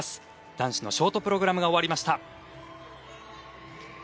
男子のショートプログラムが終わりました。